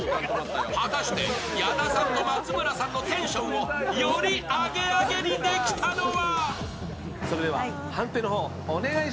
果たして、矢田さんと松村さんのテンションをよりアゲアケにできたのは？